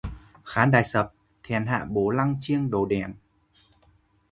Khán đài sập, thièn hạ bổ lăn chiêng đổ đèn